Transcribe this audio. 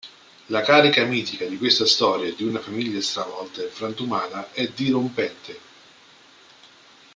La carica mitica di questa storia di una famiglia stravolta e frantumata è dirompente.